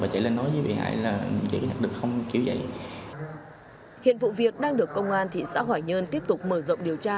hiện vụ việc đang được công an thị xã hoài nhơn tiếp tục mở rộng điều tra